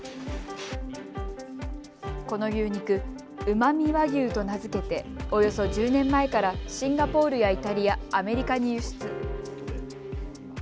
この牛肉、ＵｍａｍｉＷａｇｙｕと名付けておよそ１０年前からシンガポールやイタリア、アメリカに輸出。